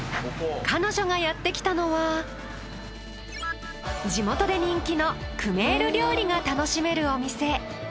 彼女がやって来たのは地元で人気のクメール料理が楽しめるお店。